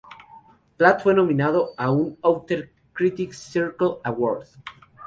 Platt fue nominado a un Outer Critics Circle Award.